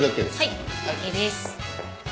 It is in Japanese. はいＯＫです。